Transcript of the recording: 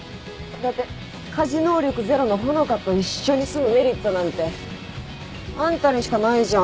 だって家事能力０の穂香と一緒に住むメリットなんてあんたにしかないじゃん。